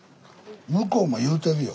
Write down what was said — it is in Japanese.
向こうも言うてるよ。